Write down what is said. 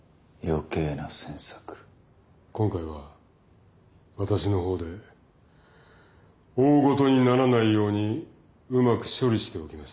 今回は私の方で大ごとにならないようにうまく処理しておきました。